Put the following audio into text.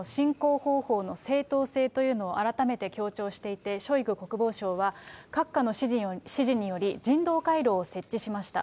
ロシア軍の侵攻法の正当性というのを改めて強調していて、ショイグ国防相は、閣下の指示により、人道回廊を設置しました。